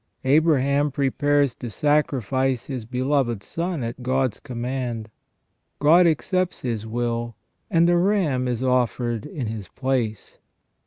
Abraham prepares to sacrifice his beloved son at God's command. God accepts his will, and a ram is offered in his place.